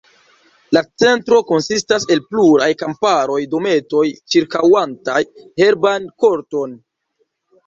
La Centro konsistas el pluraj kamparaj dometoj ĉirkaŭantaj herban korton.